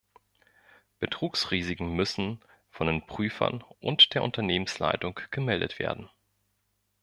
Betrugsrisiken müssen von den Prüfern und der Unternehmensleitung gemeldet werden.